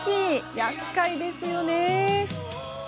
やっかいですよね。